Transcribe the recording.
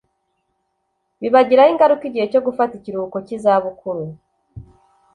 Bibagiraho ingaruka igihe cyo gufata ikiruhuko cy ‘izabukuru.